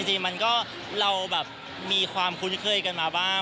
จริงมันก็เราแบบมีความคุ้นเคยกันมาบ้าง